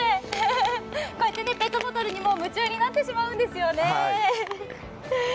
こうやってペットボトルに夢中になってしまうんですよね。